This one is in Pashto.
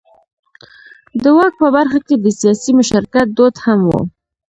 د واک په برخه کې د سیاسي مشارکت دود هم و.